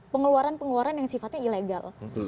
pengeluaran pengeluaran yang sifatnya ilegal